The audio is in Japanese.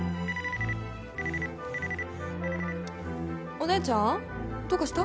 お姉ちゃんどうかした？